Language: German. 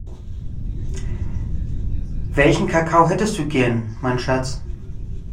Welchen Kakao hättest du gern, mein Schatz?